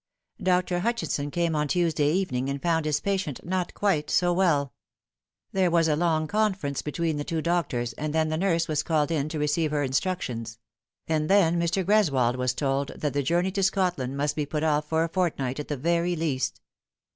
Dr. Hutchinson came on Tuesday evening, and found bis patient not quite so well. There was a long conference between the two doctors, and then the nurse was called in to receive her instructions ; and then Mr. Greswold was told that the journey to Scotland must be put off for a fortnight at the very least.